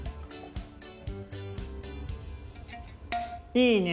いいね。